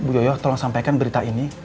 bu yoyo tolong sampaikan berita ini